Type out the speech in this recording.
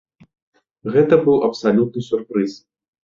Гэта быў абсалютны сюрпрыз.